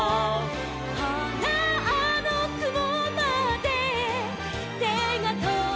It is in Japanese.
「ほらあのくもまでてがとどきそう」